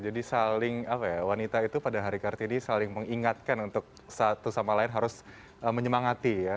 jadi saling apa ya wanita itu pada hari kartini saling mengingatkan untuk satu sama lain harus menyemangati ya